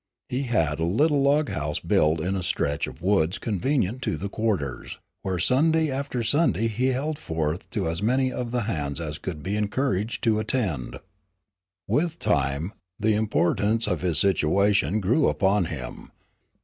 He had a little log house built in a stretch of woods convenient to the quarters, where Sunday after Sunday he held forth to as many of the hands as could be encouraged to attend. With time, the importance of his situation grew upon him.